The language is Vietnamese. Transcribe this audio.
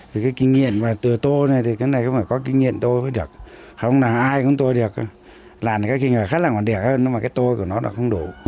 vì cái kinh nghiệm từ tô này thì cái này có phải có kinh nghiệm tô mới được không là ai cũng tô được làm cái kinh nghiệm khác là còn đẹp hơn nhưng mà cái tô của nó là không đủ